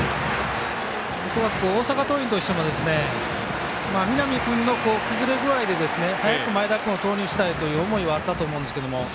恐らく、大阪桐蔭としても南君の崩れ具合で早く前田君を投入したいという思いはあったと思うんですけども。